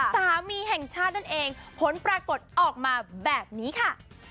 สามีแห่งชาตินั่นเองผลปรากฏออกมาแบบนี้ค่ะ